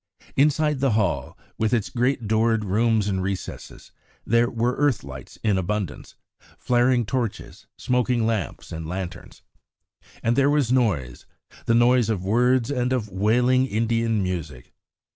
Inside the hall, with its great doored rooms and recesses, there were earth lights in abundance, flaring torches, smoking lamps and lanterns. And there was noise the noise of words and of wailing Indian music.